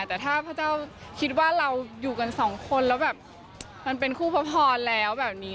แต่ถ้าพระเจ้าคิดว่าเราอยู่กันสองคนแล้วแบบมันเป็นคู่พระพรแล้วแบบนี้